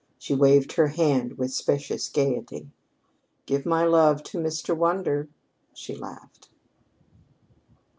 She waved her hand with specious gayety. "Give my love to Mr. Wander," she laughed.